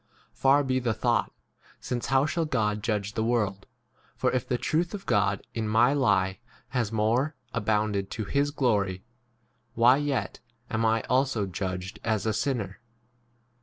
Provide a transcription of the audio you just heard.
Far be the thought : since how shall God judge the world ? 7 For if the truth of God in my lie has more 1 abounded to his glory, why yet am I also judged as a 8 sinner